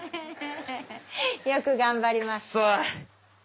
よく頑張りました。